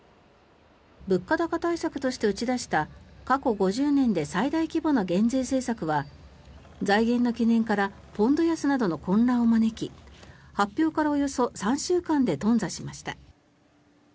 物価高対策として打ち出した過去５０年で最大規模の減税政策は財源の懸念からポンド安などの混乱を招き発表からおよそ３週間で頓挫しました。